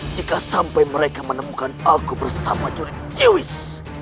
jika sampai mereka menemukan aku bersama curik ciwis